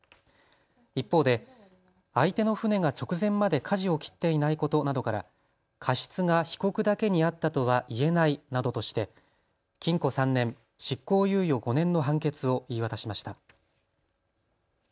一方で相手の船が直前までかじを切っていないことなどから過失が被告だけにあったとはいえないなどとして禁錮３年、執行猶予５年の判決を言い渡しました。